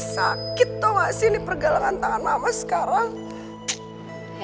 sakit tau gak sih ini pergelangan tangan mama sekarang